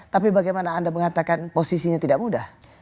tapi bagaimana anda mengatakan posisinya tidak mudah